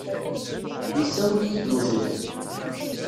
Yessawel-iyi-d Meẓyan.